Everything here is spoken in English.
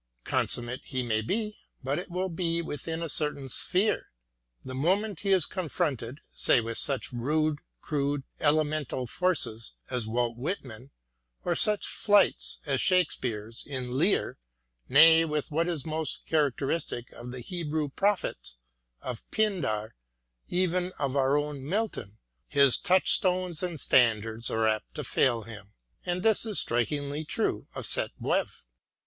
Consummate he may be, but it will be within a certain sphere. The moment he is confronted, say, with such rude, crude, elemental forces as Walt Whitman, or such flights as Shakespeare's in " Lear," nay, with what is most characteristic of the Hebrew Prophets, of Pindar, even of our own Milton, his touchstones and standards are apt to fail him. And this is strikingly true of Sainte Beuve.